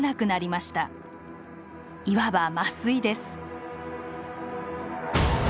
いわば麻酔です。